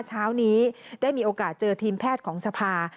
เช้านี้ได้มีโอกาสเจอทีมแพทย์ของสภา